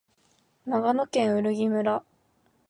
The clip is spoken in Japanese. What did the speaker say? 長野県売木村